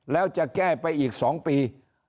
แล้วจะแก้ไปอีก๒ปี